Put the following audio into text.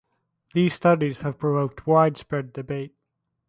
These studies have provoked widespread debate.